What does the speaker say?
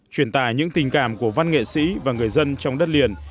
truyền tài những tình cảm của văn nghệ sĩ và người dân trong đất liền